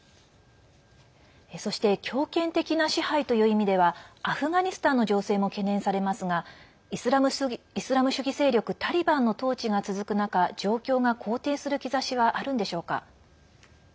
そして強権的な支配という意味ではアフガニスタンの情勢も懸念されますがイスラム主義勢力タリバンの統治が続く中状況が好転する兆しはあるんでしょうか。